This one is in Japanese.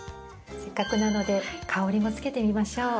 せっかくなので香りもつけてみましょう。